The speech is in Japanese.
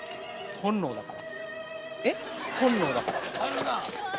本能だから。